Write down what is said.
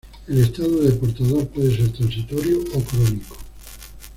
El estado de portador puede ser transitorio o crónico.